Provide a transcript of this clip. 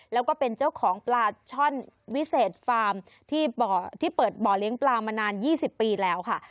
แล้วก็เป็นเจ้าของปลาช่อนวิเศษฟาร์มที่เปิดบ่อเลี้ยงปลามานาน๒๐ปีแล้วค่ะ